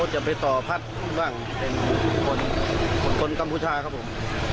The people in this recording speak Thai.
จะไปต่อพัดบ้างเป็นคนกัมพูชาครับผม